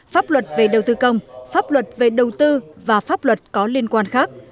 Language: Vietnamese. pháp luật về đầu tư công pháp luật về đầu tư và pháp luật có liên quan khác